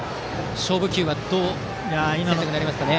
勝負球はどうなりますかね。